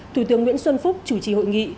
thủ tướng nguyễn xuân phúc chủ trì hội nghị